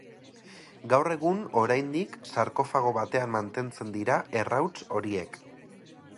Gaur egun oraindik sarkofago batean mantentzen dira errauts horiek.